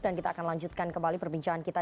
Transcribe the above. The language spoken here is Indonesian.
dan kita akan lanjutkan kembali perbincangan kita